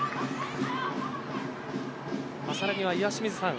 さらには岩清水さん